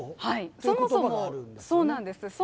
はいそもそもそうなんです